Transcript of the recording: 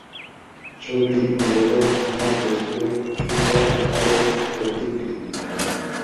ছবি মূলত কোন বস্তুর ছোট আকারের প্রতিকৃতি।